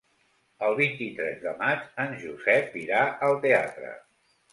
El vint-i-tres de maig en Josep irà al teatre.